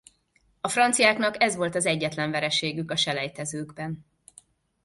A franciáknak ez volt az egyetlen vereségük a selejtezőkben.